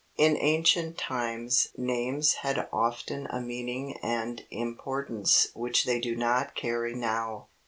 In ancient times names had often a meaning and importance which they do not carry now.